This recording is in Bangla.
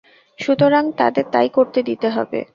সুতরাং তাদের তাই করতে দিতে হবে।